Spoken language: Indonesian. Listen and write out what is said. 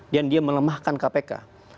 dan dia melemahkan kpk